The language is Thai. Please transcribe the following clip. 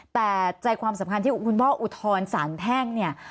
แต่ใจความสำคัญที่คุณพ่ออุทธรณ์สารแพ่งเนี่ย